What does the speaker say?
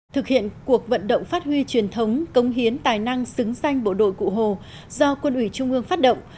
thực hiện cuộc vận động phát huy truyền thống cống hiến tài năng xứng danh bộ đội cụ hồ do quân ủy trung ương phát động